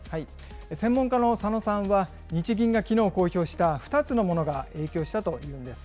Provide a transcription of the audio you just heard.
専門家の佐野さんは、日銀がきのう公表した２つのものが影響したというんです。